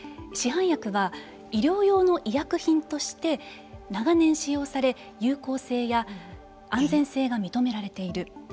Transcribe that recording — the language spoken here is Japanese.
市販薬は医療用の医薬品として長年使用され有効性や安全性が認められている。